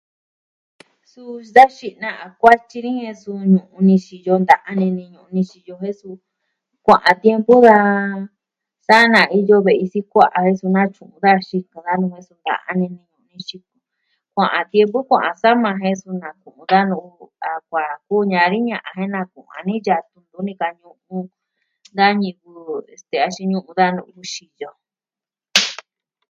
Suu da xi'na a kuatyi ni jen suu ñu'un ni xiyo nta'an ini ni ñu'un ni xiyo jen suu kua'a tiempo, sa na iyo ve'i sikua'a natyu'un daja xikɨn da nu'u ña'an nini, kua'an tiempu, kua'an sama jen su naku'un da nu'u. A kuvi dani ña'an jen naku'un dani yatu ntuvi ni ka ñu'un da ñivɨ, este, axin ñu'un da nu'u xiyo.